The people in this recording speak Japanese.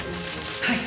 はい。